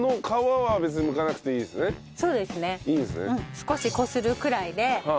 少しこするくらいで。